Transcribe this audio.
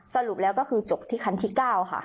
สรุปแล้วก็คือจบที่คันที่๙ค่ะ